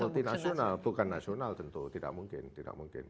multinasional bukan nasional tentu tidak mungkin